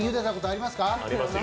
ありますよ。